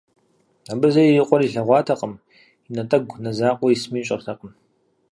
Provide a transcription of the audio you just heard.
Абы зэи и къуэр илъэгъуатэкъым, и натӏэгу нэ закъуэ исми ищӏэртэкъым.